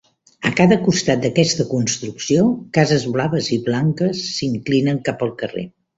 A cada costat d'aquesta construcció, cases blaves i blanques s'inclinen cap al carrer.